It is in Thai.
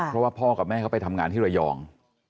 เพราะว่าพ่อกับแม่เขาไปทำงานที่ระยอง